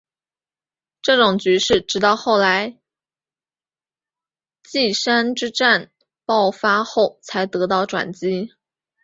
这种局势直到后来稷山之战爆发后才得到转机。